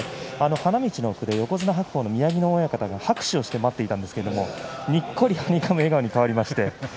花道の奥で横綱白鵬の宮城野親方が拍手をして待っていたんですがにっこり笑う顔に変わりました。